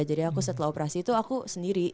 jadi aku setelah operasi itu aku sendiri